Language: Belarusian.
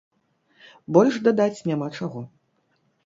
Больш дадаць няма чаго.